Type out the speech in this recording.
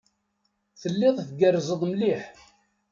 Telliḍ tgerrzeḍ mliḥ.